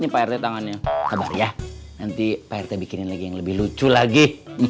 pak rt bikinin lagi yang lebih lucu lagi